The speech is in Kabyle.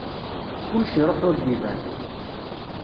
Kullec iruḥ ur d-iban.